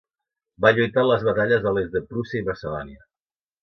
Va lluitar en les batalles a l'est de Prússia i Macedònia.